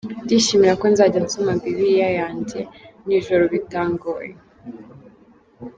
Ndishimira ko nzajya nsoma bibiliya yanjye nijoro bitangoye.